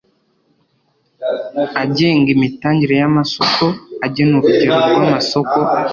agenga imitangire y amasoko agena urugero rw amasoko.